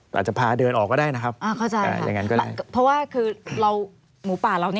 อาจจะพาเดินออกก็ได้นะครับเพราะหมูป่าวต้อง๑๓คน